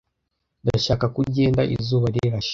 Ndashaka ko ugenda izuba rirashe.